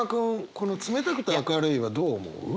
この「冷たくて明るい」はどう思う？